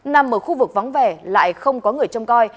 nằm ở khu vực vắng vẻ lại không có người châm coi